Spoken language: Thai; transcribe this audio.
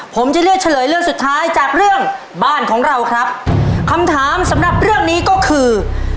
ผมจะเลือกเฉลยเรื่องสุดท้ายจากเรื่องบ้านของเราครับคำถามสำหรับเรื่องนี้ก็คือ